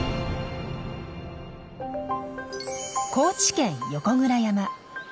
高知県横倉山。